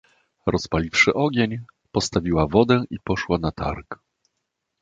"Rozpaliwszy ogień, postawiła wodę i poszła na targ."